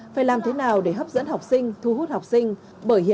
phải làm thế nào để hấp dẫn học sinh thu hút học sinh